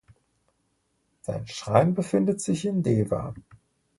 Sein Schrein befindet sich in Dewa.